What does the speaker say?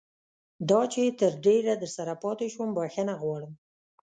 دا چې تر ډېره درسره پاتې شوم بښنه غواړم.